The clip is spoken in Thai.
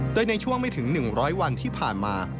โดยในช่วงไม่ถึง๑๐๐วันที่ผ่านมา